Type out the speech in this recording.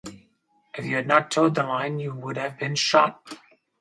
If you had not toed the line you would have been shot.